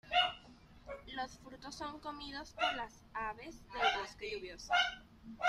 Los frutos son comidos por las aves del bosque lluvioso.